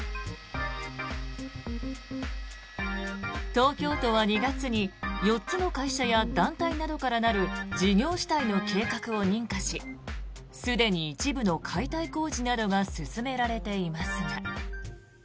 東京都は２月に４つの会社や団体などからなる事業主体の計画を認可しすでに一部の解体工事などが進められていますが。